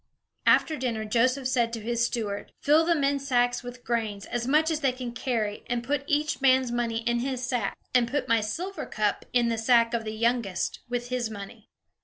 After dinner, Joseph said to his steward: "Fill the men's sacks with grain, as much as they can carry, and put each man's money in his sack. And put my silver cup in the sack of the youngest, with his money."